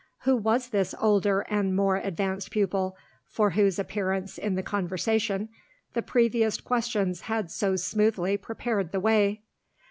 Who was this "older and more advanced pupil," for whose appearance in the conversation the previous questions had so smoothly prepared the way?